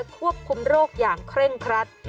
ควบคุมโรคอย่างเคร่งครัด